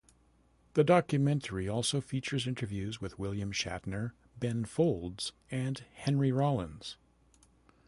The documentary also features interviews with William Shatner, Ben Folds, and Henry Rollins.